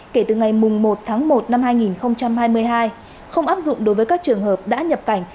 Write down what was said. kể từ ngày một tháng một năm hai nghìn hai mươi hai không áp dụng đối với các trường hợp đã nhập cảnh